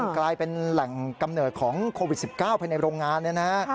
กลายเป็นแหล่งกำเนิดของโควิด๑๙ภายในโรงงานเนี่ยนะฮะ